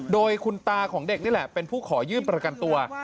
โดยคุณตาของเด็กนี่แหละเป็นผู้ขอยื่นประกันตัว